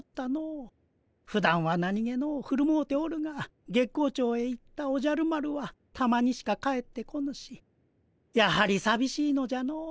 ふだんは何気のうふるもうておるが月光町へ行ったおじゃる丸はたまにしか帰ってこぬしやはりさびしいのじゃの。